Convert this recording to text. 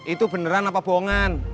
itu beneran apa bohongan